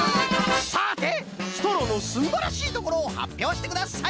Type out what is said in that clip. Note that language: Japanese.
さてストローのすんばらしいところをはっぴょうしてください！